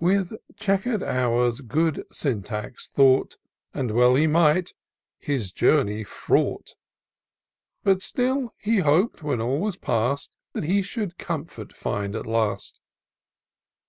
With chequer'd hours good Syntax thought, — And well he might, — ^his journey fraught; But still he hop'd, when all was past, That he should comfort find at last.